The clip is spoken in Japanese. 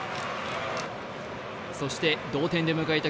そして同点で迎えた